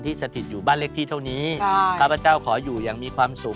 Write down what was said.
สถิตอยู่บ้านเลขที่เท่านี้ข้าพเจ้าขออยู่อย่างมีความสุข